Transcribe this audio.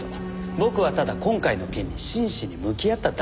僕はただ今回の件に真摯に向き合っただけですから。